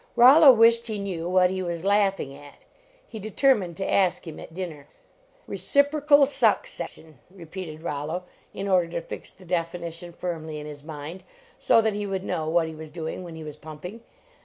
Rollo wished he knew what he was laugh 4 49 [ LEARNING TO WORK ing at. He determined to ask him at din ner. "Reciprocal suck session," repeated Rol lo, in order to fix the definition firmly in his mind, so that he would know what he was doing when he was pumping.